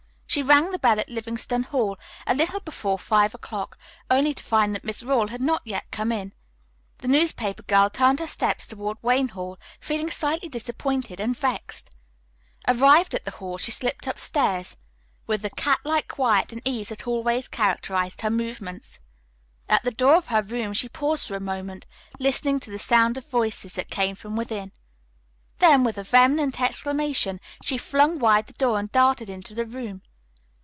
She rang the bell at Livingston Hall a little before five o'clock, only to find that Miss Rawle had not yet come in. The newspaper girl turned her steps toward Wayne Hall, feeling slightly disappointed and vexed. Arrived at the Hall, she slipped upstairs with the cat like quiet and ease that always characterized her movements. At the door of her room she paused for a moment, listening to the sound of voices that came from within. Then, with a vehement exclamation, she flung wide the door and darted into the room.